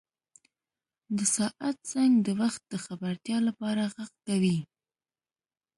• د ساعت زنګ د وخت د خبرتیا لپاره ږغ کوي.